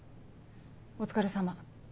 お疲れさま。